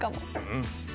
うん。